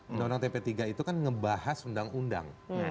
undang undang tp tiga itu kan ngebahas undang undang